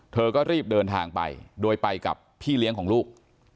เธอก็รีบเดินทางไปโดยไปกับพี่เลี้ยงของลูก